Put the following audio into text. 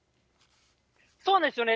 そうですよね。